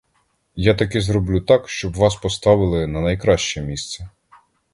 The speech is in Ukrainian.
Я таки зроблю так, щоб вас поставили на найкраще місце.